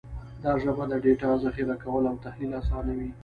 دا ژبه د ډیټا ذخیره کول او تحلیل اسانوي.